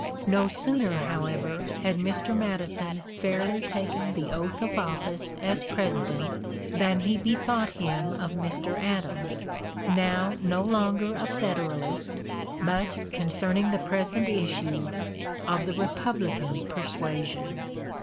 No sooner, however, had Mr. Madison fairly taken the oath of office as President than he bethought him of Mr. Adams, now no longer a Federalist, but, concerning the present issues, of the Republican persuasion.